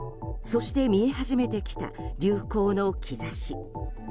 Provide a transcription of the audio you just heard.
そして、見え始めてきた流行の兆し。